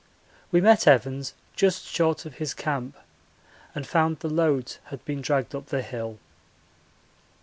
We met Evans just short of his camp and found the loads had been dragged up the hill.